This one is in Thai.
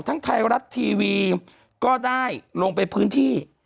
ไทยรัฐทีวีก็ได้ลงไปพื้นที่